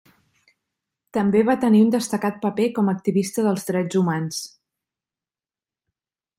També va tenir un destacat paper com a activista dels drets humans.